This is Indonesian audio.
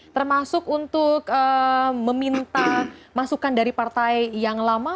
termasuk untuk meminta masukan dari partai yang lama